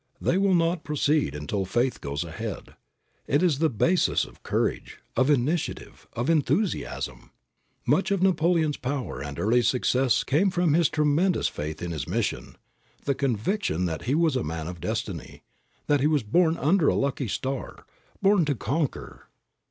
They will not proceed until faith goes ahead. It is the basis of courage, of initiative, of enthusiasm. Much of Napoleon's power and early success came from his tremendous faith in his mission, the conviction that he was a man of destiny, that he was born under a lucky star, born to conquer.